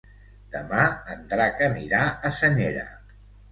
Demà en Drac anirà a Senyera.